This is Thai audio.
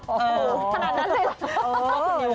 พระนั้นเลยหรือ